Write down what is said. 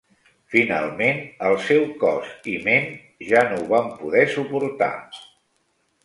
Finalment, el seu cos i ment ja no ho van poder suportar.